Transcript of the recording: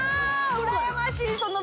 うらやましい